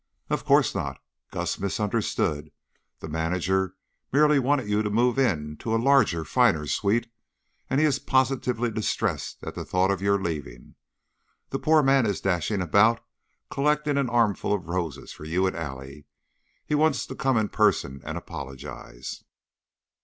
"Of course not. Gus misunderstood. The manager merely wanted you to move into a larger, finer suite, and he is positively distressed at the thought of your leaving. The poor man is dashing about collecting an armful of roses for you and Allie. He wants to come in person and apologize."